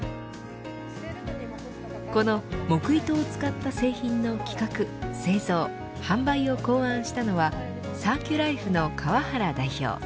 この木糸を使った製品の企画、製造、販売を考案したのはサーキュライフの川原代表。